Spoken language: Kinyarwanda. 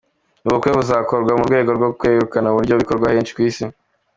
Ubu bukwe buzakorwa mu rwego rwo kwrekana uburyo bikorwa henshi ku isi.